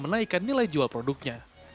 menaikkan nilai jual produknya